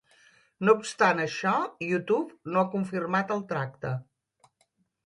No obstant això, YouTube no ha confirmat el tracte.